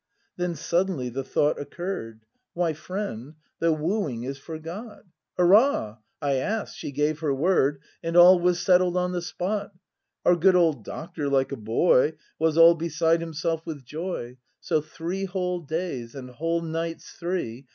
Then suddenly the thought occurr'd: "Why, friend, the wooing is forgot!" ACT I] BRAND 33 Hurrah! I ask'd, she gave her word, And all was settled on the spot. Our good old doctor, like a boy. Was all beside himself with joy; So three whole days, and whole nights three.